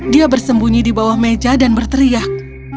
dia bersembunyi di bawah meja dan berteriak